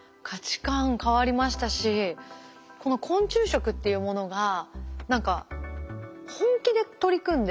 価値観変わりましたしこの昆虫食っていうものが何か本気で取り組んでる。